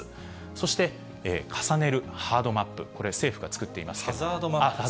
そして重ねるハードマップ、これ、政府が作っています。